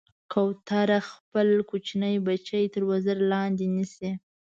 کوتره خپل کوچني بچي تر وزر لاندې نیسي.